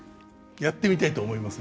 やってみたいと思います？